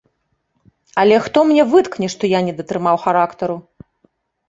Але хто мне выткне, што я не датрымаў характару?